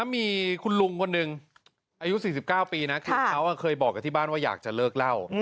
มีคุณลุงคนหนึ่งอายุ๔๙ปีนะคือเขาเคยบอกกับที่บ้านว่าอยากจะเลิกเล่า